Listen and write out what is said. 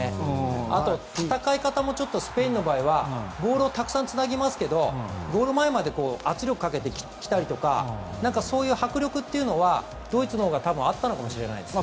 あと、戦い方もスペインの場合はボールをたくさんつなぎますがゴール前まで圧力をかけてきたりとかそういう迫力というのはドイツのほうがあったかもしれませんね。